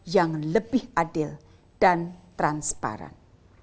yang lebih adil dan transparan